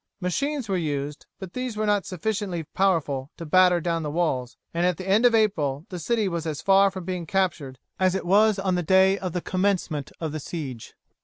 Machines were used, but these were not sufficiently powerful to batter down the walls, and at the end of April the city was as far from being captured as it was on the day of the commencement of the siege.